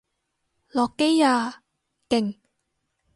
落機啊！勁！